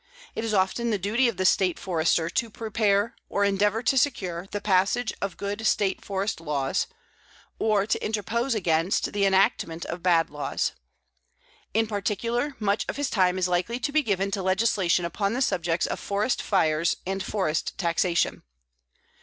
It is often the duty of the State Forester to prepare or endeavor to secure the passage of good State forest laws, or to interpose against the enactment of bad laws. In particular, much of his time is likely to be given to legislation upon the subjects of forest fires and forest taxation.